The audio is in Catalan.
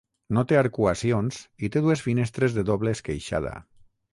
No té arcuacions i té dues finestres de doble esqueixada.